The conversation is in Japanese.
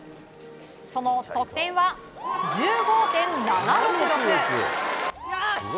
その得点は１５．７６６。